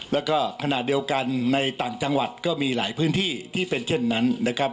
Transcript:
แล้วก็ขณะเดียวกันในต่างจังหวัดก็มีหลายพื้นที่ที่เป็นเช่นนั้นนะครับ